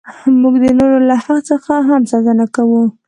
موږ د نورو له حق څخه هم ساتنه کوو.